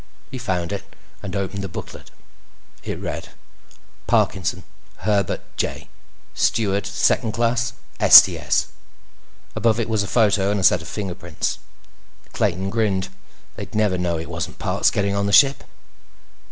He found it and opened the booklet. It read: PARKINSON, HERBERT J. Steward 2nd Class, STS Above it was a photo, and a set of fingerprints. Clayton grinned. They'd never know it wasn't Parks getting on the ship.